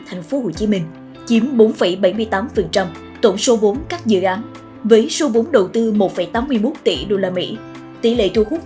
thành phố hồ chí minh chiếm bốn bảy mươi tám tổng số bốn các dự án với số vốn đầu tư một tám mươi một tỷ usd tỷ lệ thu hút